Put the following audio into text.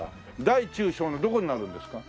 大中小のどこになるんですか？